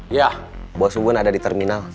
iya bos bun ada di terminal